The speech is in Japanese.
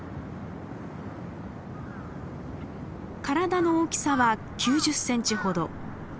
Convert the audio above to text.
体の大きさは９０センチほど。